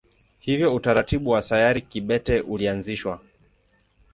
Hivyo utaratibu wa sayari kibete ulianzishwa.